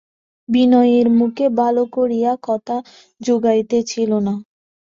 বিনয়ের মুখে ভালো করিয়া কথা জোগাইতেছিল না।